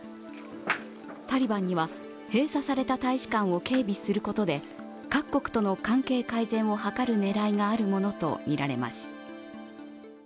タリバンには、閉鎖された大使館を警備することで各国との関係改善を図る狙いがあるものとみられます。